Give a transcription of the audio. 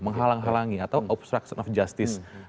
menghalang halangi atau obstruction of justice